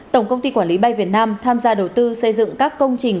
tổng công ty quản lý bay việt nam tham gia đầu tư xây dựng các công trình